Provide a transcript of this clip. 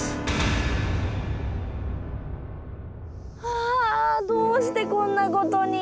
はあどうしてこんなことに。